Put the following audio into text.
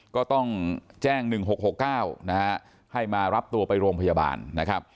ก็ต้องแจ้ง๑๖๖๙นะฮะให้มารับตัวไปโรงพยาบาลนะครับ